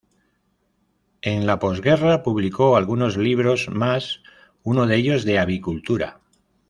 En la posguerra publicó algunos libros más, uno de ellos de avicultura.